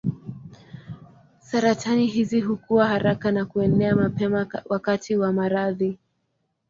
Saratani hizi hukua haraka na kuenea mapema wakati wa maradhi.